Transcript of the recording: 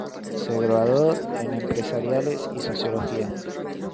Se graduó en empresariales y sociología.